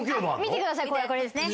見てくださいこれですね。